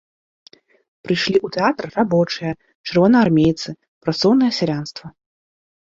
Прыйшлі ў тэатр рабочыя, чырвонаармейцы, працоўнае сялянства.